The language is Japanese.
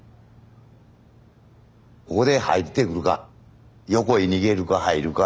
ここで入ってくるか横へ逃げるか入るか。